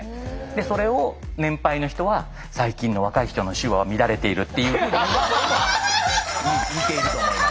でそれを年配の人は「最近の若い人の手話は乱れている」っていうところも似ていると思います。